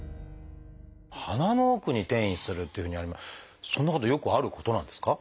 鼻の奥に転移するっていうふうにそんなことよくあることなんですか？